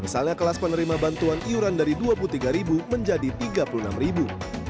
misalnya kelas penerima bantuan iuran dari dua puluh tiga menjadi rp tiga puluh enam ribu